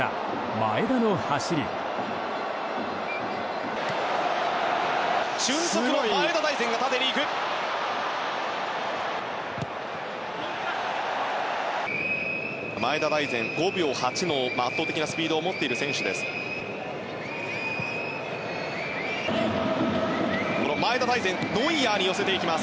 前田大然、５秒８の圧倒的なスピードを持っている選手です。